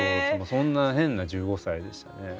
そんな変な１５歳でしたね。